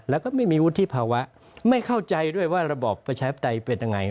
แล้วก็ไม่มีวุฒิภาวะไม่เข้าใจด้วยว่าระบอบประชาธิปไตยเป็นยังไง